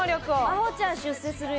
茉歩ちゃん出世するよ。